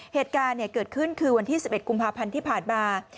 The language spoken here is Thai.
เหตุการณ์เกิดขึ้นคือวันที่๑๑กุมภาพันธ์ที่ผ่านมา